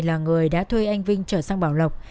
là người đã thuê anh vinh trở sang bảo lộc